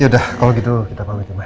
ya udah kalau gitu kita pamit ya mai